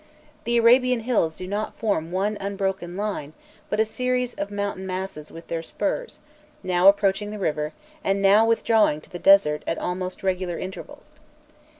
The Arabian hills do not form one unbroken line, but a series of mountain masses with their spurs, now approaching the river, and now withdrawing to the desert at almost regular intervals.